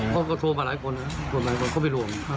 เขาก็โทรมาหลายคนเขาไปรวม